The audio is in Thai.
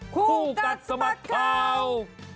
คู่กัดสะบัดข่าว